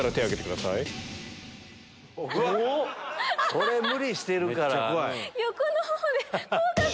これ無理してるから。